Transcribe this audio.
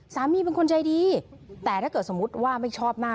เป็นคนใจดีแต่ถ้าเกิดสมมุติว่าไม่ชอบหน้า